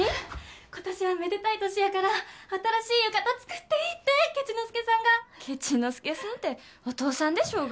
今年はめでたい年やから新しい浴衣作っていいってケチ之介さんがケチ之介さんってお父さんでしょうが